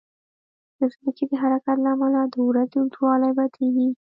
د ځمکې د حرکت له امله د ورځې اوږدوالی بدلېږي.